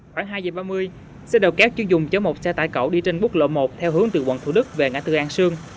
khoảng hai giờ ba mươi xe đầu kéo chuyên dùng chở một xe tải cậu đi trên quốc lộ một theo hướng từ quận thủ đức về ngã tư an sương